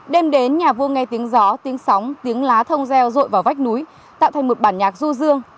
đêm đến nhà vua nghe tiếng gió tiếng sóng tiếng lá thông reo rội vào vách núi tạo thành một bản nhạc ru rương